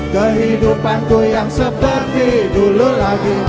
kehidupanku yang seperti dulu lagi